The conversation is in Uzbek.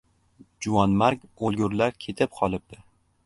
Juvonmarg o‘lgurlar ketib qolibdi...